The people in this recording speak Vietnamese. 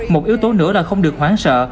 một yếu tố nữa là không được hoáng sợ